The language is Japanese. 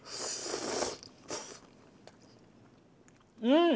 うん！